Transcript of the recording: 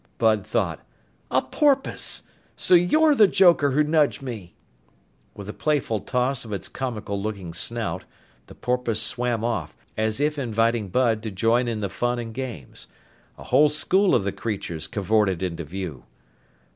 Bud thought. "A porpoise! So you're the joker who nudged me!" With a playful toss of its comical looking snout, the porpoise swam off, as if inviting Bud to join in the fun and games. A whole school of the creatures cavorted into view.